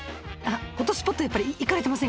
フォトスポット行かれてませんか？